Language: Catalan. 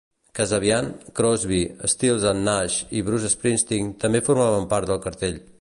Kasabian, Crosby, Stills and Nash i Bruce Springsteen també formaven part del cartell.